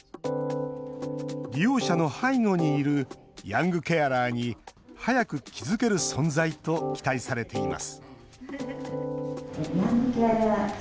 利用者の背後にいるヤングケアラーに早く気付ける存在と期待されています